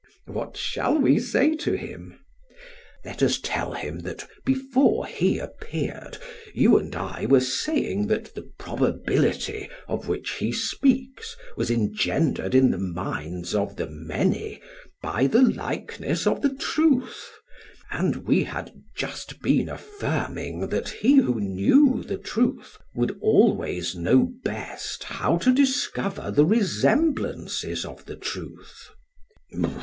PHAEDRUS: What shall we say to him? SOCRATES: Let us tell him that, before he appeared, you and I were saying that the probability of which he speaks was engendered in the minds of the many by the likeness of the truth, and we had just been affirming that he who knew the truth would always know best how to discover the resemblances of the truth.